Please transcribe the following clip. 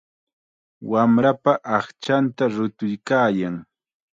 Wamrapa aqchanta rutuykaayan.